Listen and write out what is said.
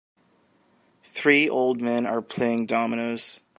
Three old men are playing domino 's.